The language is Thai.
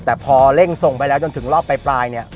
แต่พอเร่งส่งไปแล้วจนถึงรอบปลายเนี่ย